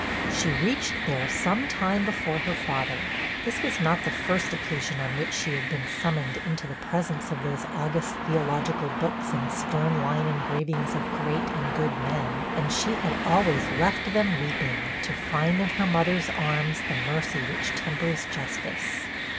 She reached there some time before her father. This was not the first occasion on which she had been summoned into the pres BETTY HEARS GREAT NEWS 7 ence of those august theological books and stern line engravings of great and good men, and she had always left them weeping, to find in her mother's arms the mercy which tempers justice.